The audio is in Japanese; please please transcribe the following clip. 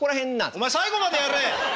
お前最後までやれ！